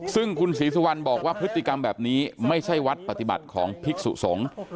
ซึ่งคุณศรีสุวรรณบอกว่าพฤติกรรมแบบนี้ไม่ใช่วัดปฏิบัติของภิกษุสงฆ์